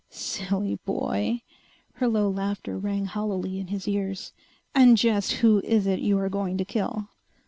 "Silly boy!" Her low laughter rang hollowly in his ears. "And just who is it you are going to kill?"